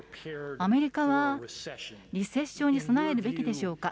アメリカはリセッションに備えるべきでしょうか。